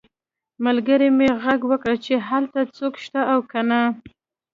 ملګري مې غږ وکړ چې هلته څوک شته او که نه